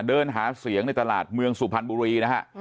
เดินหาเสียงในตลาดเมืองสูบพันธ์บุรี